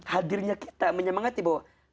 hadirnya kita menyemangati bahwa